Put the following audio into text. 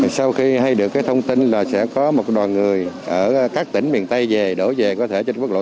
sau khi hay được thông tin là sẽ có một đoàn người ở các tỉnh miền tây về đổ về có thể trên quốc lộ một